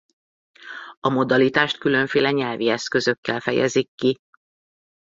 A modalitást különféle nyelvi eszközökkel fejezik ki.